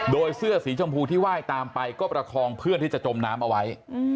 โดยเสื้อสีชมพูที่ไหว้ตามไปก็ประคองเพื่อนที่จะจมน้ำเอาไว้